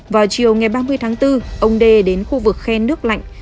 vào chiều ngày ba mươi tháng bốn ông đê đến khu vực khen nước lạnh